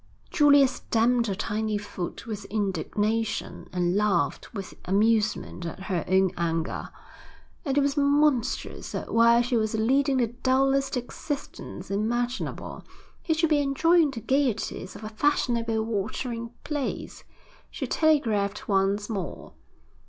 _ Julia stamped her tiny foot with indignation and laughed with amusement at her own anger. It was monstrous that while she was leading the dullest existence imaginable, he should be enjoying the gaieties of a fashionable watering place. She telegraphed once more.